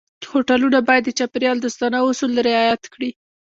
هوټلونه باید د چاپېریال دوستانه اصول رعایت کړي.